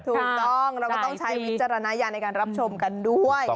ถูกต้องเราก็ต้องใช้วิจารณญาณในการรับชมกันด้วย